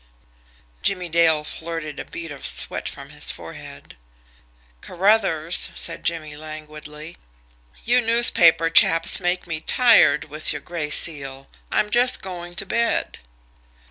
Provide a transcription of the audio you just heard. Jimmie Dale flirted a bead of sweat from his forehead. "Carruthers," said Jimmie languidly, "you newspaper chaps make me tired with your Gray Seal. I'm just going to bed."